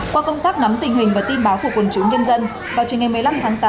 qua công tác nắm tình hình và tin báo của quân chúng nhân dân vào trình ngày một mươi năm tháng tám